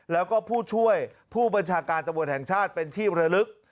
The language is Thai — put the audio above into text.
แล้วก็ผู้ช่วยผู้บัญชาการตำรวจแห่งชาติเป็นที่ระลึก